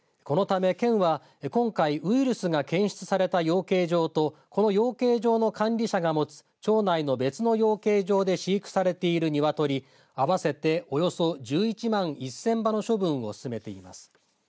このため県は今回、ウイルスが検出された養鶏場とこの養鶏場の管理者が持つ町内の別の養鶏場で飼育されているニワトリ合わせておよそ１１万１０００羽の処分を進めています。